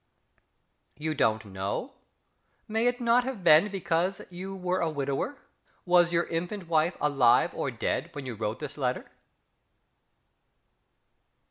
"You don't know?" May it not have been because you were a widower? Was your infant wife alive or dead when you wrote this letter?...